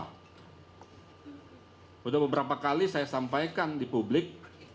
sudah beberapa kali saya sampaikan di publik